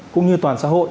cũng như toàn xã hội